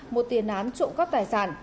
một tiền án trộm các tài sản